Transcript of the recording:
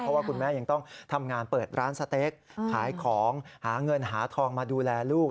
เพราะว่าคุณแม่ยังต้องทำงานเปิดร้านสเต๊กขายของหาเงินหาทองมาดูแลลูก